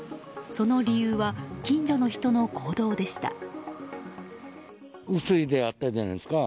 その理由は近所の人の行動でした。